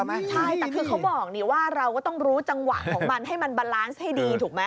ใช่แต่คือเขาบอกนี่ว่าเราก็ต้องรู้จังหวะของมันให้มันบาลานซ์ให้ดีถูกไหม